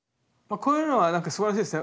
こういうのは何かすばらしいですよ。